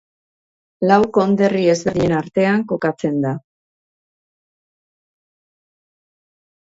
Lau konderri ezberdinen artean kokatzen da.